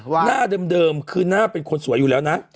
หน้าเดิมคือหน้าเป็นคนสวยอยู่แล้วนะ